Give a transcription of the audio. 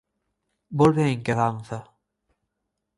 Volve a inquedanza.